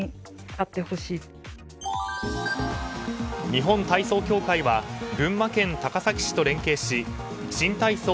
日本体操協会は群馬県高崎市と連携し新体操